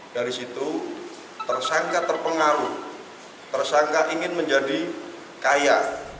dari situ tersangka terpengaruh tersangka ingin menjadi kaya